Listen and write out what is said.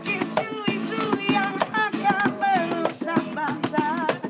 isu isu yang akan mengusang bangsa